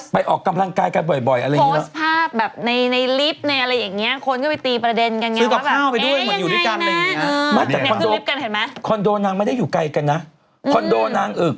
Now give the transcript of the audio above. พี่แฟวตัวว่ายังไงมีพูดไหวแนนการรวม